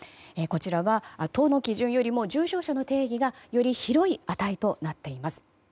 こちらは都の基準よりも重症者の定義がより広い値となっています。